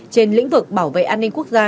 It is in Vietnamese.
trên lĩnh vực bảo vệ an ninh quốc gia